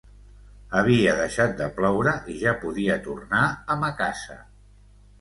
Havia deixat de ploure i ja podia tornar a ma casa.